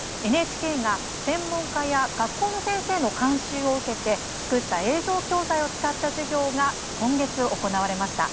ＮＨＫが専門家や学校の先生の監修を受けて作った映像教材を使った授業が今月行われました。